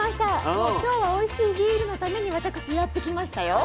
もう今日はおいしいビールのために私やって来ましたよ。